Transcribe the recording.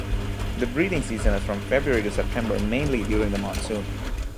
The breeding season is from February to September, mainly during the monsoon.